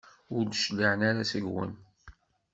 Ur d-cliɛen ara seg-wen.